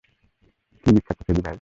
কি বিখ্যাত, ফেজি ভাই?